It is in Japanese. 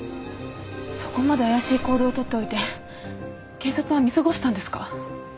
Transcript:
そこまで怪しい行動を取っておいて警察は見過ごしたんですか？